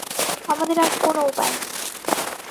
আমাদের আর কোন উপায় নেই।